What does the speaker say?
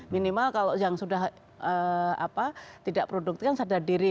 minimal kalau yang sudah tidak produktif kan sadar diri